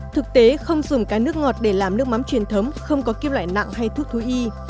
thực tế không dùng cái nước ngọt để làm nước mắm truyền thống không có kim loại nặng hay thuốc thú y